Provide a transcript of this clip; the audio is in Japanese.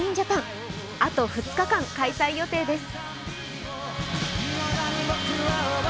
あと２日間開催予定です。